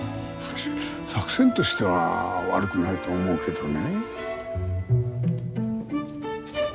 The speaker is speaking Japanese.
作戦としては悪くないと思うけどね。